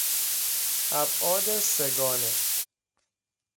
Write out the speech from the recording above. ابعاد سه گانه